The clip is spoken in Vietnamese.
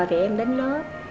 thì em đến lớp